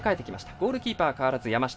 ゴールキーパーは変わらず山下。